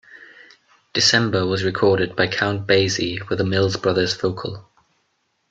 "December" was recorded by Count Basie with a Mills Brothers vocal.